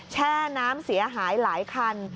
แช่น้ำเสียหายหลายคัน